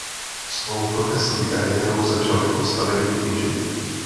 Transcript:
Svou profesní kariéru začal jako stavební inženýr.